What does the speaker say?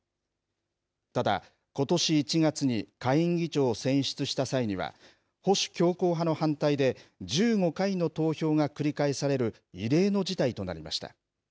ただ、ことし１月に下院議長を選出した際には、保守強硬派の反対で１５回の投票が繰り返される異例の事態となりました。